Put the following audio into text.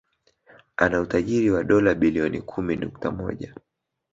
Ana utajiri wa dola Bilioni kumi nukta moja